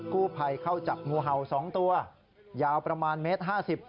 กู้ไพเข้าจับงูเห่า๒ตัวยาวประมาณ๑๕๐เมตร